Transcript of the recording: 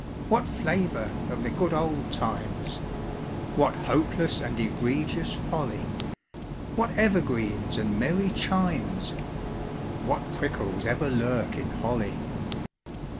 _) What flavour of the good old times! (What hopeless and egregious folly!) What evergreens and merry chimes! (_What prickles ever lurk in holly!